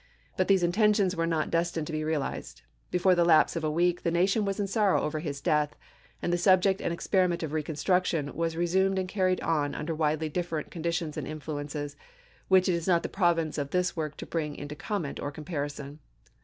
But these intentions were not des tined to be realized. Before the lapse of a week the nation was in sorrow over his death, and the subject and experiment of reconstruction were re sumed and carried on under widely different con ditions and influences, which it is not the province of this work to bring into comment or comparison.